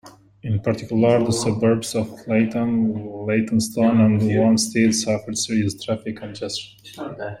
In particular, the suburbs of Leyton, Leytonstone and Wanstead suffered serious traffic congestion.